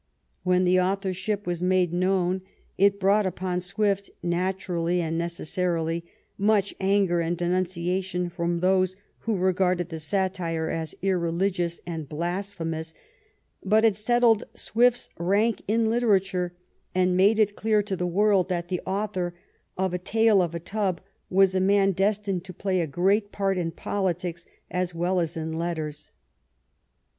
When the authorship was made known it brought upon Swift, naturally and necessarily, much anger and denunciation from those who regarded the satire as irreligious and blasphemous, but it settled Swift's rank in literature, and made it clear to the 240 JONATHAN SWIFT world that the author of A Tale of a Tub was a man destined to play a great part in politics as well as in letters.